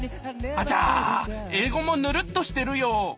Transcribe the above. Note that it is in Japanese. あちゃ英語もヌルッとしてるよ。